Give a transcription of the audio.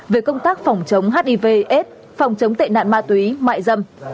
về công tác phòng chống hiv aids phòng chống tệ nạn ma túy mại dâm